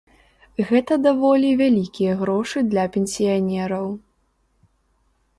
Гэта даволі вялікія грошы для пенсіянераў.